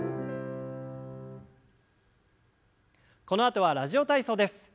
このあとは「ラジオ体操」です。